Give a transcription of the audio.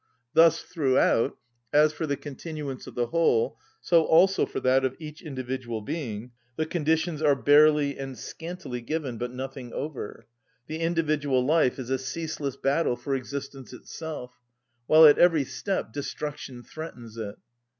Thus throughout, as for the continuance of the whole, so also for that of each individual being the conditions are barely and scantily given, but nothing over. The individual life is a ceaseless battle for existence itself; while at every step destruction threatens it.